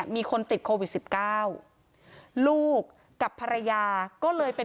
มีคนติดโควิด๑๙ลูกกับภรรยาก็เลยเกือบไม่เป็น